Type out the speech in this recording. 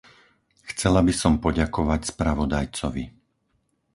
Chcela by som poďakovať spravodajcovi.